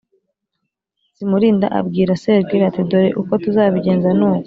zimulinda abwira serwili ati dore uko tuzabigenza nuku